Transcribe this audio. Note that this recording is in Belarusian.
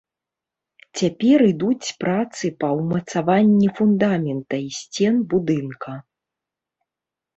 Цяпер ідуць працы па ўмацаванні фундамента і сцен будынка.